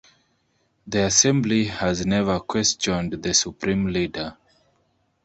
The Assembly has never questioned the Supreme Leader.